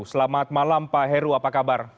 selamat malam pak heru apa kabar